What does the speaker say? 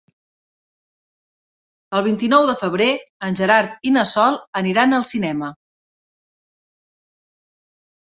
El vint-i-nou de febrer en Gerard i na Sol aniran al cinema.